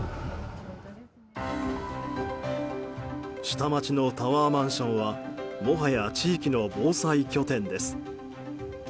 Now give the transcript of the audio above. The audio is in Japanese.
下町のタワーマンションはもはや地域の防災拠点です。